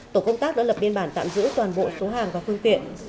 tổ công tác đã lập biên bản tạm giữ toàn bộ số hàng và phương tiện